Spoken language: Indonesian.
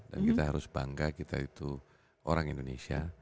dan kita harus bangga kita itu orang indonesia